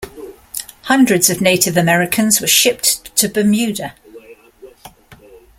Hundreds of Native Americans were shipped to Bermuda.